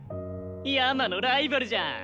ヤマのライバルじゃん。